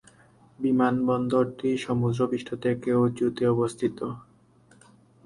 বিমানবন্দরটি সমুদ্রপৃষ্ঠ থেকে উঁচুতে অবস্থিত।